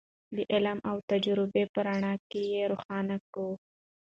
د علم او تجربې په رڼا کې یې روښانه کړو.